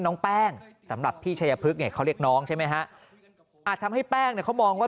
น้องแป้งสำหรับพี่ชายพฤกษเนี่ยเขาเรียกน้องใช่ไหมฮะอาจทำให้แป้งเนี่ยเขามองว่า